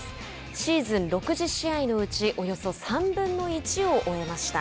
シーズン６０試合のうちおよそ３分の１を終えました。